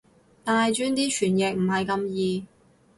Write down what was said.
大專啲傳譯唔係咁易